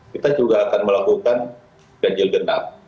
kita juga akan melakukan ganjil genap